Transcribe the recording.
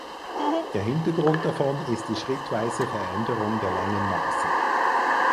Der Hintergrund davon ist die schrittweise Veränderung der Längenmaße.